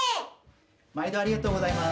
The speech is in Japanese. まいどありがとうございます。